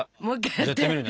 やってみるね。